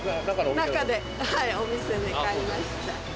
中で、お店で買いました。